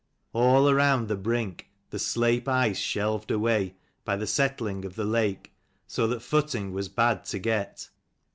All round the brink the slape ice shelved away, by the settling of the lake, so that footing was bad to get.